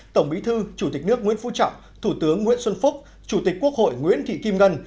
tổng bí thư chủ tịch nước nguyễn phú trọng thủ tướng nguyễn xuân phúc chủ tịch quốc hội nguyễn thị kim ngân